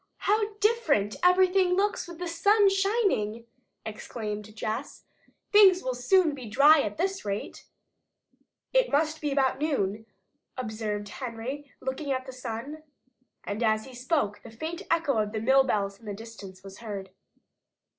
"How different everything looks with the sun shining!" exclaimed Jess. "Things will soon be dry at this rate." "It must be about noon," observed Henry, looking at the sun. And as he spoke the faint echo of mill bells in the distance was heard.